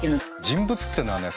人物っていうのはね